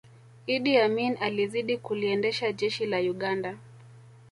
iddi amini alizidi kuliendesha jeshi la uganda